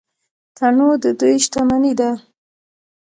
تنوع د دوی شتمني ده.